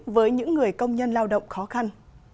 về công nhân lao động khó khăn